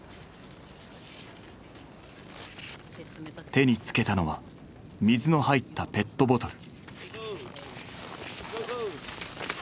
手につけたのは水の入ったペットボトル。